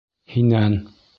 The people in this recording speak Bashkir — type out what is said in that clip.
Һинән!